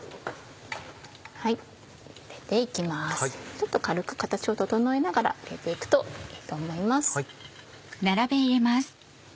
ちょっと軽く形を整えながら入れて行くといいと思います。